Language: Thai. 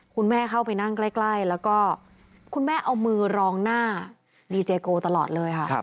คุณแม่เข้าไปนั่งใกล้แล้วก็คุณแม่เอามือรองหน้าดีเจโกตลอดเลยค่ะ